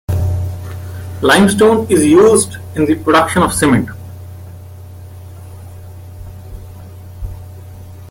Limestone is used in the production of cement.